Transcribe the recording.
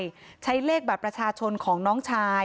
พี่สาวบอกว่าไม่ได้ไปกดยกเลิกรับสิทธิ์นี้ทำไม